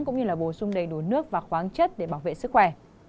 cũng như là bổ sung đầy đủ nước và khoáng chất để bảo vệ sức khỏe